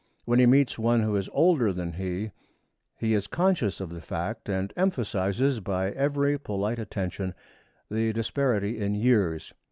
When he meets one who is older than he, he is conscious of the fact, and emphasizes by every polite attention the disparity in years.